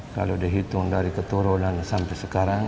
kalau dihitung dari keturunan sampai sekarang